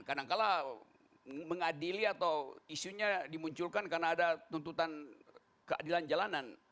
kadangkala mengadili atau isunya dimunculkan karena ada tuntutan keadilan jalanan